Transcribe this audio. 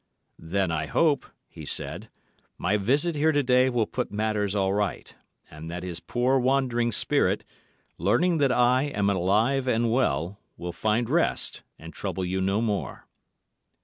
'Then I hope,' he said, 'my visit here to day will put matters all right, and that his poor, wandering spirit, learning that I am alive and well, will find rest, and trouble you no more.